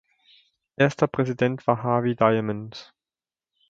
Erster Präsident war Harvey Diamond.